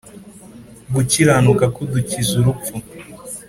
gukiranuka kudukiza urupfu